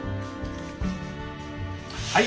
はい！